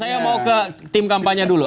saya mau ke tim kampanye dulu